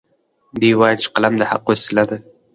دی وایي چې قلم د حق وسیله ده.